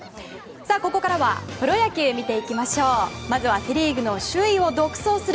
ここからはプロ野球を見ていきます。